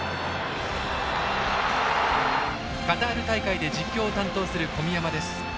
カタール大会で実況を担当する小宮山です。